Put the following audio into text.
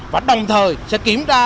và đồng thời sẽ kiểm tra